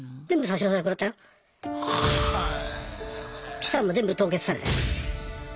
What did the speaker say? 資産も全部凍結されたよ。